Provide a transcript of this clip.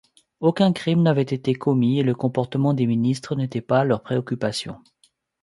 Aucun crime n'avait été commis et le comportement des ministres n'étaient pas leur préoccupation.